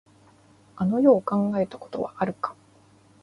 あの世を考えたことはあるか。